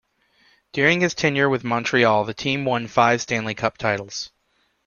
During his tenure with Montreal the team won five Stanley Cup titles.